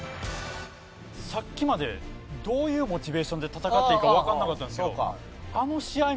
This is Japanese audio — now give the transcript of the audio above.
さっきまでどういうモチベーションで戦っていいかわかんなかったんですけど。